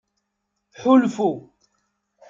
Ḥulfu.